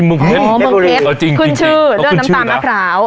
เบื้องเผ็ดขึ้นชื่อด้วยน้ำตาลมะพร้าว